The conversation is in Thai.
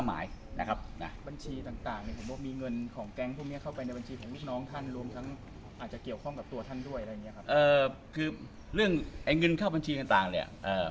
เกี่ยวข้องกับตัวท่านด้วยอะไรแบบนี้ครับ